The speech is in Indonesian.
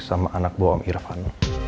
sama anak buah om irfan